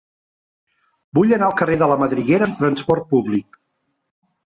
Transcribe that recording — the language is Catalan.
Vull anar al carrer de la Madriguera amb trasport públic.